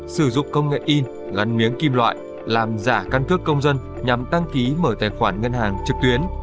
sử dụng công nghệ in gắn miếng kim loại làm giả căn cước công dân nhằm đăng ký mở tài khoản ngân hàng trực tuyến